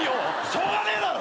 しょうがねえだろ！